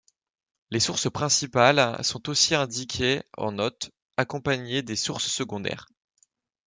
Les sources principales sont aussi indiquées en notes, accompagnées des sources secondaires.